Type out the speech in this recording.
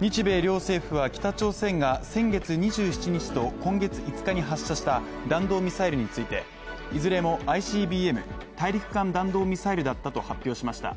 日米両政府は北朝鮮が先月２７日と今月５日に発射した弾道ミサイルについて、いずれもＩＣＢＭ＝大陸間弾道ミサイルだったと発表しました。